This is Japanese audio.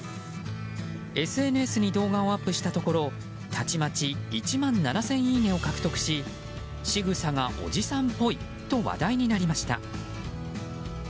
ＳＮＳに動画をアップしたところたちまち１万７０００いいねを獲得ししぐさがおじさんぽいと話題になりました。